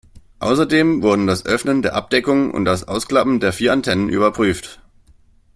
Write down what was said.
Außerdem wurden das Öffnen der Abdeckung und das Ausklappen der vier Antennen überprüft.